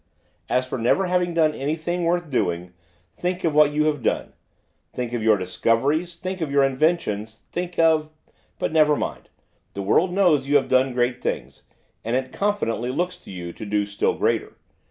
'As for never having done anything worth doing, think of what you have done. Think of your discoveries, think of your inventions, think of but never mind! The world knows you have done great things, and it confidently looks to you to do still greater.